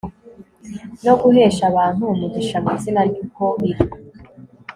no guhesha abantu umugisha mu izina rye uko biri